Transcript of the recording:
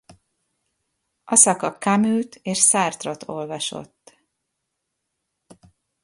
Aszaka Camus-t és Sartre-ot olvasott.